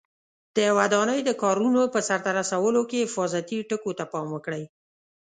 د ودانۍ د کارونو په سرته رسولو کې حفاظتي ټکو ته پام وکړئ.